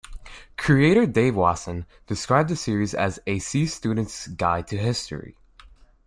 Creator Dave Wasson described the series as "a C-student's guide to history".